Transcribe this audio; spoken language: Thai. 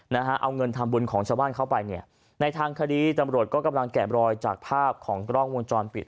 นะฮะเอาเงินทำบุญของชาวบ้านเข้าไปเนี่ยในทางคดีตำรวจก็กำลังแกะบรอยจากภาพของกล้องวงจรปิด